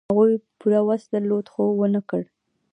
هغوی پوره وس درلود، خو و نه کړ.